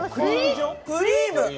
クリーム。